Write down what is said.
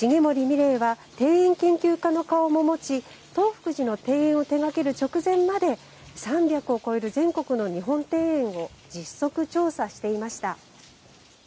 三玲は庭園研究家の顔も持ち東福寺の庭園を手がける直前まで３００を超える全国の日本庭園を実測調査していました。